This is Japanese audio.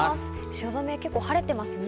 汐留、結構晴れてますね。